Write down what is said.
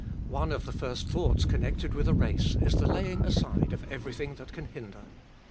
One of the first thoughts connected with a race is the laying aside of everything that can hinder.